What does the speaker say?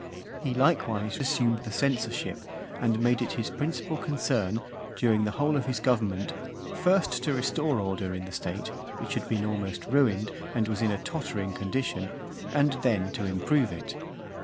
He likewise assumed the censorship, and made it his principal concern, during the whole of his government, first to restore order in the state, which had been almost ruined, and was in a tottering condition, and then to improve it.